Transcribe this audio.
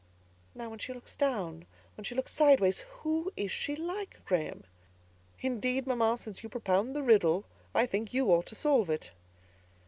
"Now, when she looks down; now, when she turns sideways, who is she like, Graham?" "Indeed, mamma, since you propound the riddle, I think you ought to solve it!"